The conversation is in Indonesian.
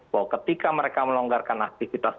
bahwa ketika mereka melonggarkan aktivitas